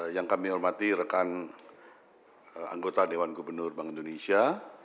yang kami hormati rekan anggota dewan gubernur bank indonesia